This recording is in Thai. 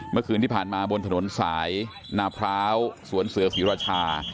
เมื่อคืนที่ผ่านมาบนถนนสายนาพร้าวสวนเสือศรีราชา